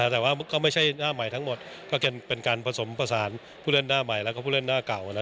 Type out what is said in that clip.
แต่ว่าก็ไม่ใช่หน้าใหม่ทั้งหมดก็เป็นการผสมประสานผู้เล่นหน้าใหม่แล้วก็ผู้เล่นหน้าเก่า